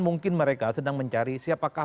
mungkin mereka sedang mencari siapakah